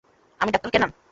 আমি ডাঃ কেনান।